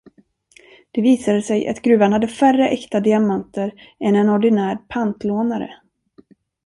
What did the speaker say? Det visade sig att gruvan hade färre äkta diamanter än en ordinär pantlånare.